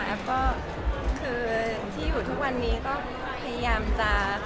แล้วก็คือที่อยู่ทุกวันนี้ก็พยายามจะ